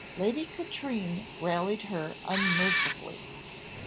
Lady Katrine rallied her unmercifully.